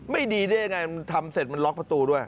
ไม่ดีได้ยังไงมันทำเสร็จมันล็อกประตูด้วย